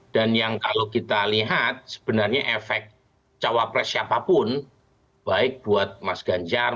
yang kalau kita lihat sebenarnya efek cawapres siapapun baik buat mas ganjar